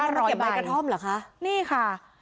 เราเก็บใบกระท่อมเหรอคะนี่ค่ะ